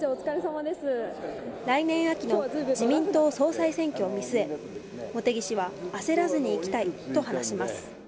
来年秋の自民党総裁選挙を見据え、茂木氏は焦らずにいきたいと話します。